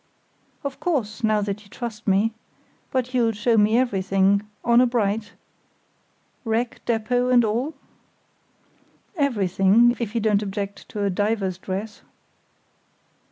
"Of course, now that you trust me. But you'll show me everything—honour bright—wreck, depôt, and all?" "Everything; if you don't object to a diver's dress."